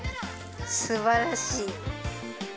すばらしい。